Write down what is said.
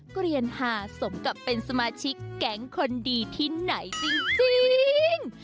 เกลียนหาสมกับเป็นสมาชิกแก๊งคนดีที่ไหนจริง